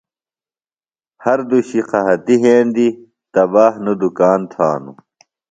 ہر دوشیۡ قحطیۡ یھندیۡ، تباہ نوۡ دُکان تھانوۡ